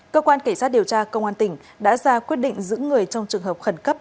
cơ quan cảnh sát điều tra công an tỉnh đã ra quyết định giữ người trong trường hợp khẩn cấp